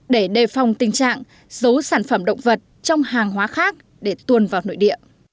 để đề phòng tình trạng giấu sản phẩm động vật trong hàng hóa khác để tuồn vào nội địa